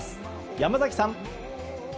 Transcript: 山崎さん。